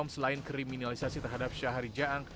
selain kriminalisasi terhadap syahari jaang